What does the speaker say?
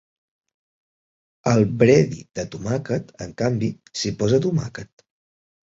Al "bredie" de tomàquet, en canvi, s'hi posa tomàquet.